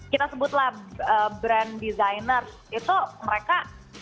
kita sebutlah brand designers itu mereka